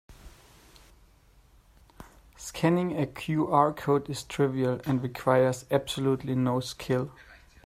Scanning a QR code is trivial and requires absolutely no skill.